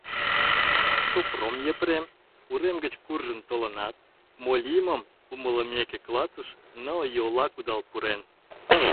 Сопром Епрем урем гыч куржын толынат, мо лиймым умылымеке, клатыш ныл йола кудал пурен.